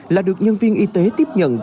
là được nhân viên y tế tiếp nhận